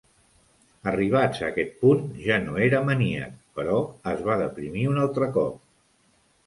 Arribats a aquest punt, ja no era maníac, però es va deprimir un altre cop.